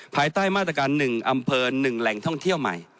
ภายใต้มาตรการ๑อำเภอ๑แหล่งท่องเที่ยวใหม่